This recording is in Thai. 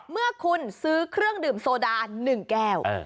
เมื่อคุณซื้อเครื่องดื่มโซดา๑แก้ว